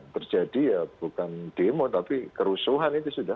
terjadi ya bukan demo tapi kerusuhan itu sudah